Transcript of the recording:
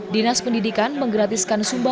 dinas pendidikan menggratiskan sumbang